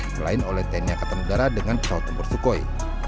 selain oleh tni angkatan udara dengan pesawat tempur sukhoi